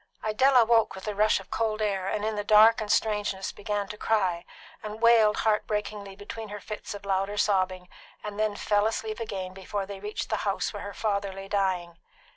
Idella woke with the rush of cold air, and in the dark and strangeness began to cry, and wailed heart breakingly between her fits of louder sobbing, and then fell asleep again before they reached the house where her father lay dying.